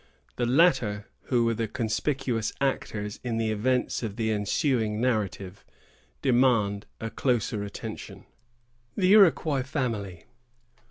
The latter, who were the conspicuous actors in the events of the ensuing narrative, demand a closer attention. THE IROQUOIS FAMILY.